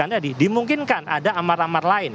anda dimungkinkan ada amar amar lain